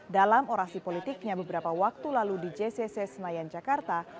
dalam orasi politiknya beberapa waktu lalu di jcc senayan jakarta